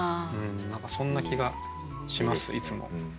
何かそんな気がしますいつも。